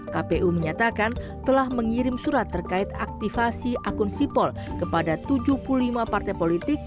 kpu menyatakan telah mengirim surat terkait aktifasi akun sipol kepada tujuh puluh lima partai politik